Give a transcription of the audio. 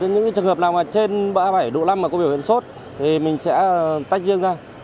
những trường hợp nào trên bãi độ năm mà có biểu hiện sốt thì mình sẽ tách riêng ra